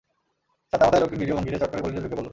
ছাতামাথায় লোকটি নিরীহ ভঙ্গিতে চট করে গলিতে ঢুকে পড়ল।